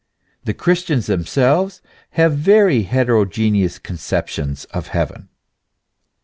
The Christians themselves have very heterogeneous conceptions of heaven.